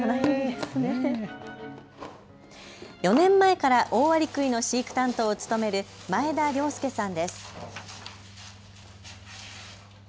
４年前からオオアリクイの飼育担当を務める前田亮輔さんです。